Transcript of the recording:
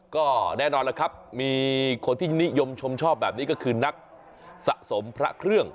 ก็แน่นอนแล้วครับมีคนที่นิยมชมชอบแบบนี้ก็คือนักสะสมพระเครื่อง